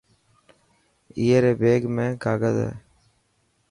اي ري بيگ ۾ ڪاگز هي.